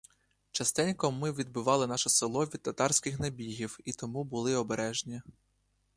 Частенько ми відбивали наше село від татарських набігів і тому були обережні.